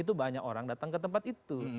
itu banyak orang datang ke tempat itu